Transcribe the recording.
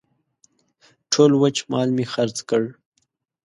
ټول وچ مال مې خرڅ کړ.